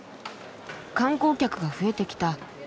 観光客が増えてきた。